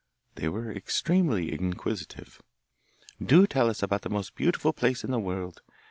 They were extremely inquisitive. 'Do tell us about the most beautiful place in the world.